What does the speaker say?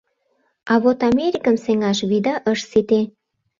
А вот Америкым сеҥаш вийда ыш сите.